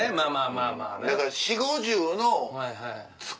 だから。